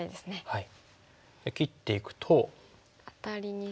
はい。